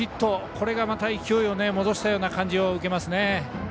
これがまた勢いを戻したような感じを受けますね。